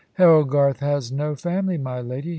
"Harold Garth has no family, my lady.